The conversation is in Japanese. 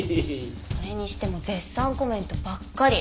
それにしても絶賛コメントばっかり。